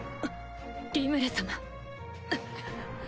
リムル様！